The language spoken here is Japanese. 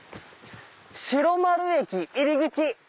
「白丸駅入口」。